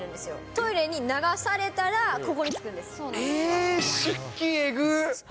トイレに流されたらここに着くんえー、出勤えぐっ。